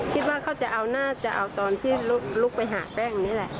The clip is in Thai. คิดว่าเขาจะเอาน่าจะเอาตอนที่ลุกไปหาแป้งนี่แหละ